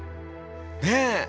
ねえ。